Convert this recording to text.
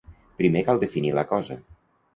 Primer cal definir la cosa.